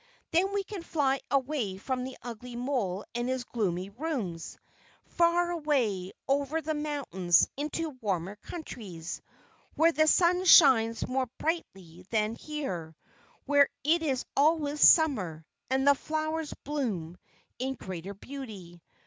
Then we can fly away from the ugly mole and his gloomy rooms far away, over the mountains, into warmer countries, where the sun shines more brightly than here; where it is always Summer, and the flowers bloom in greater beauty.